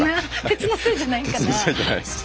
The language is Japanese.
鉄のせいじゃないです。